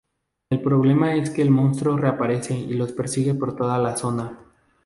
El problema es que el monstruo reaparece y los persigue por toda la zona.